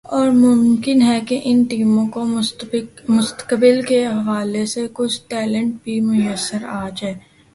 اور ممکن ہے کہ ان ٹیموں کو مستقبل کے حوالے سے کچھ ٹیلنٹ بھی میسر آجائے